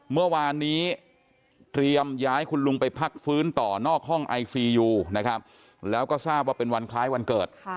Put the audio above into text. เมื่อวานนี้เตรียมย้ายคุณลุงไปพักฟื้นต่อนอกห้องไอซียูนะครับแล้วก็ทราบว่าเป็นวันคล้ายวันเกิด